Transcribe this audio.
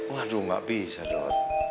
waduh gak bisa dok